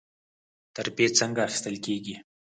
ترفیع څنګه اخیستل کیږي؟